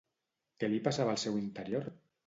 Què li passava al seu interior?